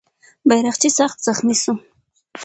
بیرغچی سخت زخمي سو.